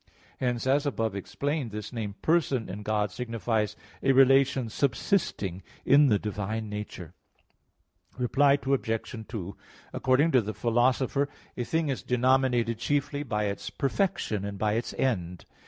Hence, as above explained (Q. 29, A. 4), this name "person" in God signifies a relation subsisting in the divine nature. Reply Obj. 2: According to the Philosopher (De Anima ii, text 49), a thing is denominated chiefly by its perfection, and by its end.